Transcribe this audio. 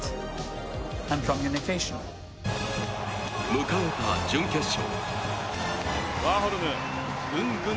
迎えた準決勝。